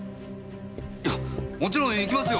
いやもちろん行きますよ！